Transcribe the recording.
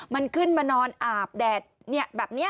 มันขึ้นมานอนอาบแดดเนี่ยแบบเนี่ย